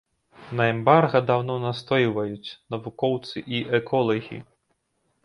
На эмбарга даўно настойваюць навукоўцы і эколагі.